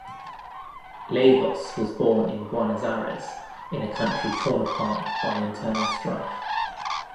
Lagos was born in Buenos Aires in a country torn apart by internal strife.